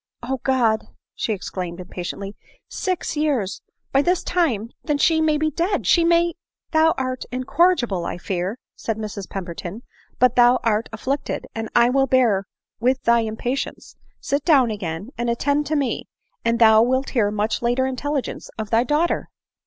" Oh, God !" exclaimed she, impatiently —" Six years !— By this time then she may be dead — she may "" Thou art incorrigible, I fear," said Mrs Pemberton, " but thou art afflicted, and I will bear with thy impa tience ;— sit down again and attend to. me, and thou wilt hear much later intelligence of thy daughter."